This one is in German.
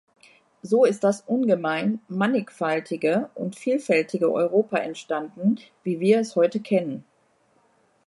So ist das ungemein mannigfaltige und vielfältige Europa entstanden, wie wir es heute kennen.